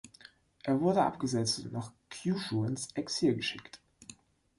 Er wurde abgesetzt und nach Kyushu ins Exil geschickt.